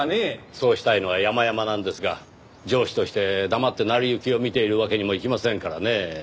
そうしたいのはやまやまなんですが上司として黙って成り行きを見ているわけにもいきませんからねぇ。